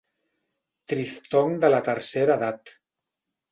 Triftong de la tercera edat.